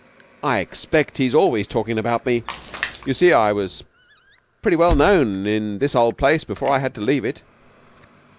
I expect he's always talking about me. You see, I was pretty well known in this old place before I had to leave it.'